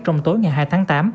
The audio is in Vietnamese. trong tối ngày hai tháng tám